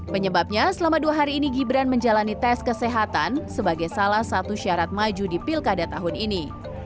penyebabnya selama dua hari ini gibran menjalani tes kesehatan sebagai salah satu syarat maju di pilkada tahun ini